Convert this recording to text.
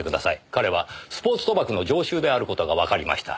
彼はスポーツ賭博の常習である事がわかりました。